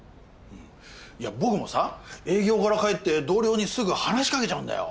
いや僕もさ営業から帰って同僚にすぐ話し掛けちゃうんだよ。